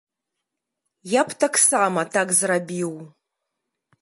Я б таксама так зрабіў.